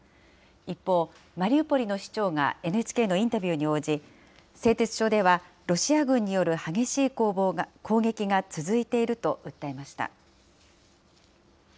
一方、マリウポリの市長がＮＨＫのインタビューに応じ、製鉄所ではロシア軍による激しい攻撃が続いていると訴えました。